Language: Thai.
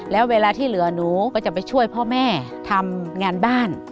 แล้วเวลาที่เหลือหนูก็จะไปช่วยพ่อแม่ทำงานบ้าน